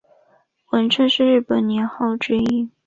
文正是日本年号之一。